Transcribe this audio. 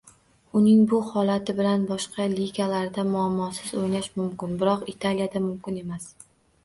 Uning bu holati bilan boshqa ligalarda muammosiz o‘ynash mumkin, biroq Italiyada mumkin emas